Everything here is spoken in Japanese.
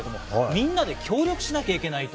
みんなで協力しなきゃいけない。